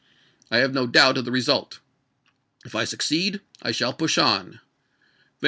I have no doubt of i862^ w^'r. the result. If I succeed, I shall push on." Van p!